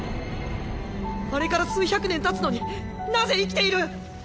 あれから数百年たつのになぜ生きている⁉